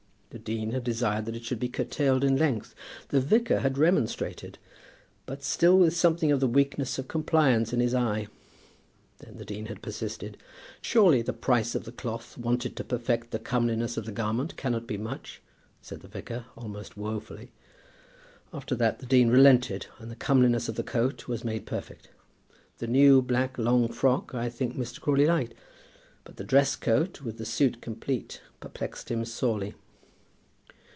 The dean had desired that it should be curtailed in length. The vicar had remonstrated, but still with something of the weakness of compliance in his eye. Then the dean had persisted. "Surely the price of the cloth wanted to perfect the comeliness of the garment cannot be much," said the vicar, almost woefully. After that, the dean relented, and the comeliness of the coat was made perfect. The new black long frock, I think Mr. Crawley liked; but the dress coat, with the suit complete, perplexed him sorely.